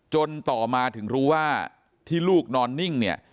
ต่อมาถึงรู้ว่าที่ลูกนอนนิ่งเนี่ย